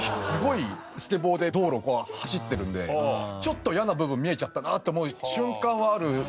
すごいスケボーで道路走ってるんでちょっと嫌な部分見えちゃったなと思う瞬間はある。